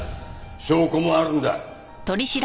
証拠もあるんだ。